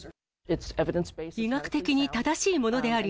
医学的に正しいものであり、